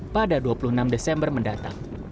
pada dua puluh enam desember mendatang